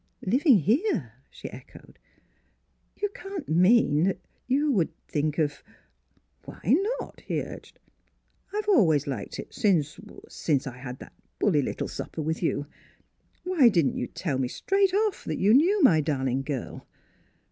"Living here?" she echoed. "You can't mean that you — would think of —" "Why not?" he urged. "I've always liked it since — er — since I had that bully little supper with you. Why didn't you tell me straight off that you knew my darling girl?